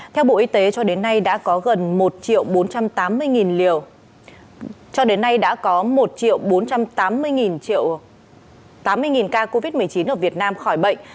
theo bộ y tế cho đến nay đã có gần một triệu bốn trăm tám mươi ca covid một mươi chín ở việt nam khỏi bệnh